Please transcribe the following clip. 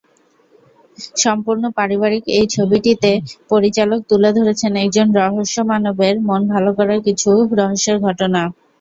সম্পূর্ণ পারিবারিক এই ছবিটিতে পরিচালক তুলে ধরেছেন একজন রহস্য মানবের মন ভালো করার কিছু রহস্যের ঘটনা।